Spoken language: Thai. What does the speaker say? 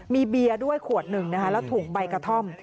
มีเบียร์ด้วยขวดหนึ่งนะคะแล้วถุงใบกระท่อม